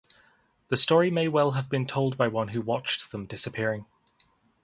The story may well have been told by one who watched them disappearing.